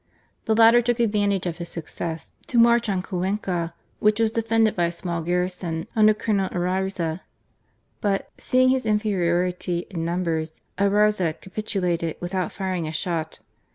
The latter took advan tage of his success to march on Cuenca, which was defended by a small garrison under Colonel Ayarza. But, seeing his inferiority in numbers, Ayarza capitulated without firing a shot.